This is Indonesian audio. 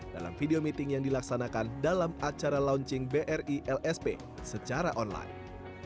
dalam video meeting yang dilaksanakan dalam acara launching bri lsp secara online